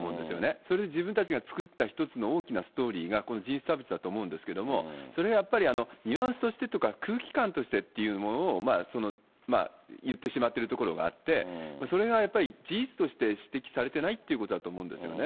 それで自分たちが作った一つの大きなストーリーが人種差別だと思うんですが、それがニュアンスとしてとか、空気感としてっていうものをその言ってしまってるところがあって、それがやっぱり事実として指摘されてないっていうことだと思うんですよね。